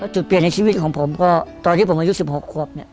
จุดเปลี่ยนในชีวิตของผมก็ตอนที่ผมอายุ๑๖ควบเนี่ย